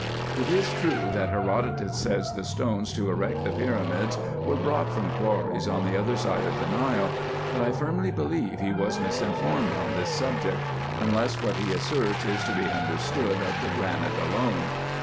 It is true, that Herodotus says, the stones to erect the pyramids were brought from quarries on the other side of the Nile; but I firmly believe he was misinformed on this subject, unless what he asserts is to be understood of the granite alone.